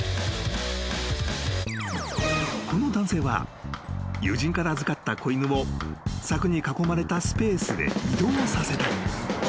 ［この男性は友人から預かった子犬を柵に囲まれたスペースへ移動させたい］